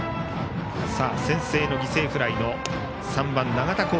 先制の犠牲フライの３番、永田晃